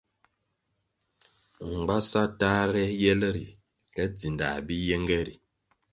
Mgbasa tahre yel ri ke dzindah bi yenge ri.